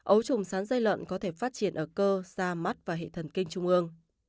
ấu trùng sán dây lợn có thể phát triển ở cơ da mắt và hệ thần kinh trung ương